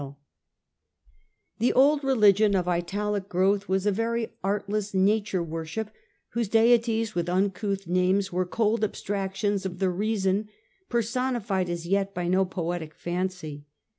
Forms of Worship Sanctioned by the State, 1 5 1 The old religion of Italic growth was a very artless Nature worship, whose deities, with uncouth names, were cold abstractions of the reason, personified as yet by no poetic fancy.